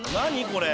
これ。